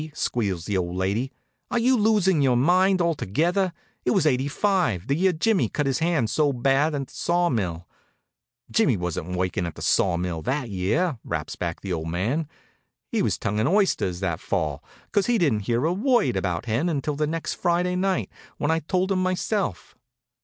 squeals the old lady. "Are you losin' your mind altogether? It was '85, the year Jimmy cut his hand so bad at the sawmill." "Jimmy wasn't workin' at the mill that year," raps back the old man. "He was tongin' oysters that fall, 'cause he didn't hear a word about Hen until the next Friday night, when I told him myself.